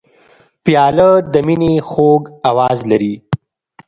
پیاله د مینې خوږ آواز لري.